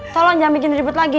tolong jangan bikin ribut lagi